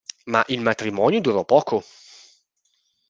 Ma il matrimonio durò poco.